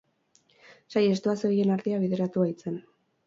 Saihestua zebilen ardia bideratu baitzen.